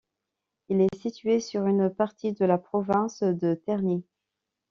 Il est situé sur une partie de la province de Terni.